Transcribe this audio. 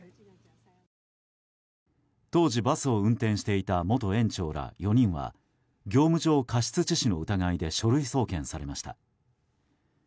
当時バスを運転していた元園長ら４人は業務上過失致死の疑いで書類送検されました。